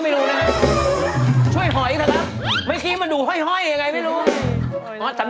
แม่พูดจ้าไหมจ้าพูดเหมือนกันจ้า